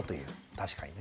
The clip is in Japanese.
確かにね。